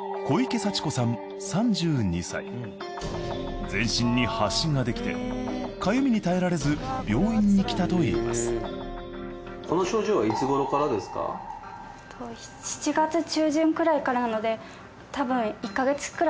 患者は全身に発疹ができてかゆみに耐えられず病院に来たといいます１か月前。